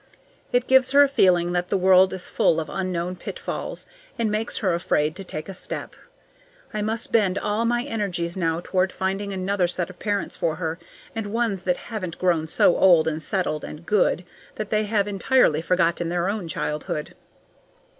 It gives her a feeling that the world is full of unknown pitfalls, and makes her afraid to take a step. I must bend all my energies now toward finding another set of parents for her, and ones that haven't grown so old and settled and good that they have entirely forgotten their own childhood.